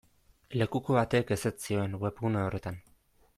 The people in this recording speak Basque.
Lekuko batek ezetz zioen webgune horretan.